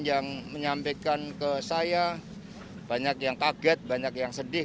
yang menyampaikan ke saya banyak yang kaget banyak yang sedih